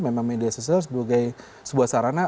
memang media sosial sebagai sebuah sarana